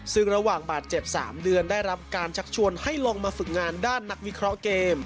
ซึ่งระหว่างบาดเจ็บ๓เดือนได้รับการชักชวนให้ลงมาฝึกงานด้านนักวิเคราะห์เกม